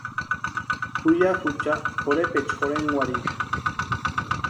Ju ya jucha pʼorhepecha jorhenkwarhini.